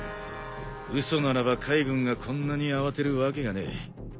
嘘ならば海軍がこんなに慌てるわけがねえ。